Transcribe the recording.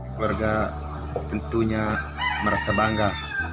keluarga tentunya merasa bangga